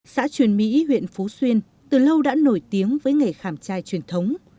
xã truyền mỹ huyện phú xuyên từ lâu đã nổi tiếng với nghề khảm trai truyền thống